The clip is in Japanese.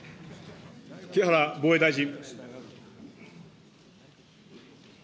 木原防衛大臣。